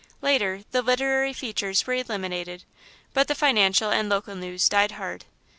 Later, the literary features were eliminated, but the financial and local news died hard.